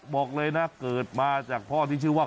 บอกเลยนะเกิดมาจากพ่อที่ชื่อว่า